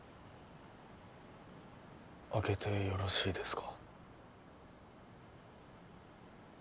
開けてよろしいですか？